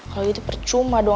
kalau gitu percuma dong